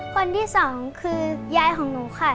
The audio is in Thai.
คนที่สองคือยายของหนูค่ะ